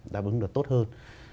đáp ứng được tốt hơn